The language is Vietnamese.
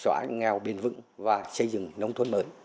xóa nghèo bền vững và xây dựng nông thôn mới